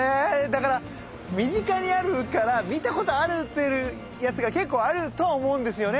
だから身近にあるから見たことあるやつが結構あるとは思うんですよね。